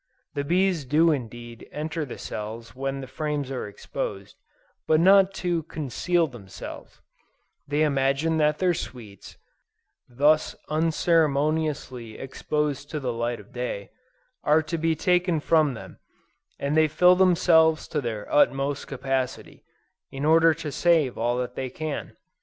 The bees do indeed enter the cells when the frames are exposed, but not "to conceal themselves;" they imagine that their sweets, thus unceremoniously exposed to the light of day, are to be taken from them, and they fill themselves to their utmost capacity, in order to save all that they can.